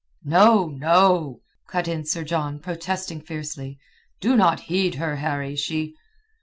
"No, no," cut in Sir John, protesting fiercely. "Do not heed her, Harry. She...."